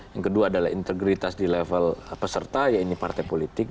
yang kedua adalah integritas di level peserta yaitu partai politik